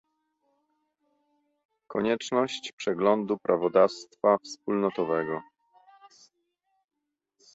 konieczność przeglądu prawodawstwa wspólnotowego